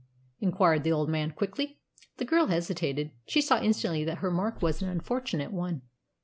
inquired the old man quickly. The girl hesitated. She saw instantly that her remark was an unfortunate one.